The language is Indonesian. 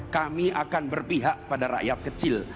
kami akan berpihak pada rakyat kecil